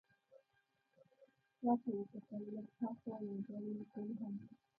شا ته وکتل، لږ ها خوا یو بل پل هم و.